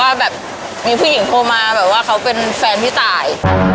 ว่าแบบมีผู้หญิงโทรมาแบบว่าเขาเป็นแฟนพี่ตาย